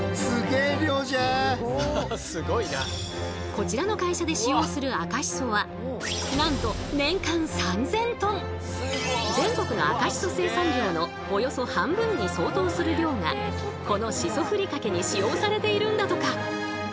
こちらの会社で全国の赤しそ生産量のおよそ半分に相当する量がこのしそふりかけに使用されているんだとか。